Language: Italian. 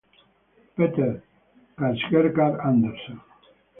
Peter Kjærsgaard-Andersen